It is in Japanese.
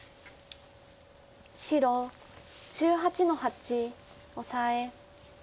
白１８の八オサエ。